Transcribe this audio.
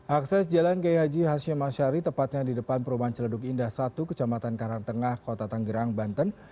akses jalan geyhaji hashimashari tepatnya di depan perubahan celeduk indah satu kecamatan karangtengah kota tanggerang banten